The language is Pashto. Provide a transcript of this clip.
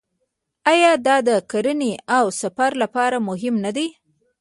آیا دا د کرنې او سفر لپاره مهم نه دی؟